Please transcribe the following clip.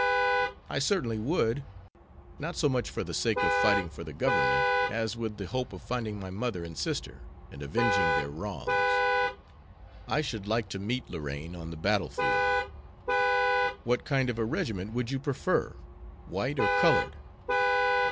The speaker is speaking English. "I certainly would; not so much for the sake of fighting for the Government, as with the hope of finding my mother and sister, and avenging their wrongs. I should like to meet Lorraine on the battle field." "What kind of a regiment would you prefer, white or colored?"